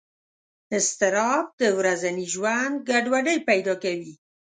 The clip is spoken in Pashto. اضطراب د ورځني ژوند ګډوډۍ پیدا کوي.